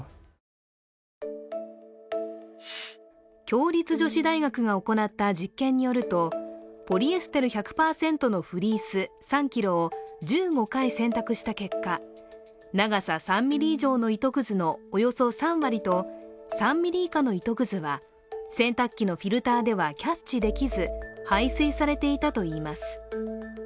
共立女子大学が行った実験によるとポリエステル１００％のフリース３ｋｇを１５回洗濯した結果長さ３ｍｍ以上の糸くずのおよそ３割と３ｍｍ以下の糸くずは洗濯機のフィルターではキャッチできず排水されていたといいます。